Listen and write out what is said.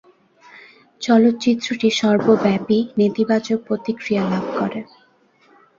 চলচ্চিত্রটি সর্বব্যাপী নেতিবাচক প্রতিক্রিয়া লাভ করে।